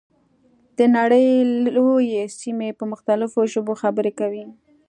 د نړۍ لویې سیمې په مختلفو ژبو خبرې کوي.